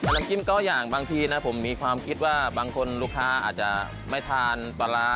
น้ำจิ้มก็อย่างบางทีนะผมมีความคิดว่าบางคนลูกค้าอาจจะไม่ทานปลาร้า